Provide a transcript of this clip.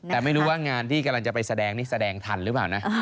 แต่ไม่รู้ว่างานที่กำลังจะไปแสดงนี่แสดงทันหรือเปล่านะ